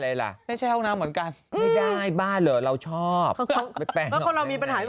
พอเวลามันอยู่พอเวลามันอยู่ด้วยกันมันก็ต้องแบบ